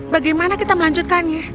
bagaimana kita melanjutkannya